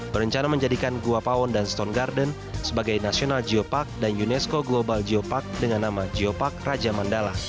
berencana menjadikan guapawon dan stone garden sebagai national geopark dan unesco global geopark dengan nama geopark raja mandala